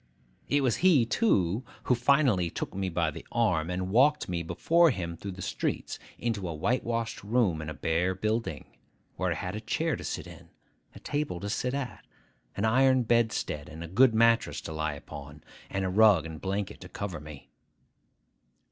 It was he, too, who finally took me by the arm, and walked me before him through the streets, into a whitewashed room in a bare building, where I had a chair to sit in, a table to sit at, an iron bedstead and good mattress to lie upon, and a rug and blanket to cover me.